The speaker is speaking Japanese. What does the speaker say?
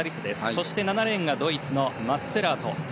そして７レーンがドイツのマッツェラート。